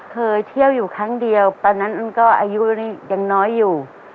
เคยเที่ยวอยู่ครั้งเดียวตอนนั้นก็อายุยังน้อยอยู่